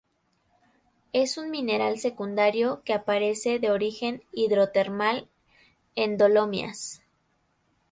Es un mineral secundario que aparece de origen hidrotermal en dolomías.